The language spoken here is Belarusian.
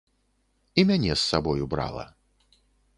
І мяне з сабою брала.